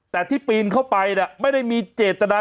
แต่ที่ปีนเข้าไปไม่ได้มีเจตนา